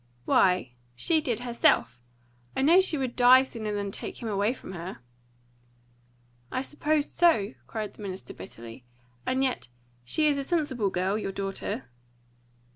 "Why, she did herself. I know she would die sooner than take him away from her." "I supposed so!" cried the minister bitterly. "And yet she is a sensible girl, your daughter?"